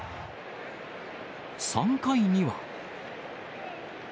３回には。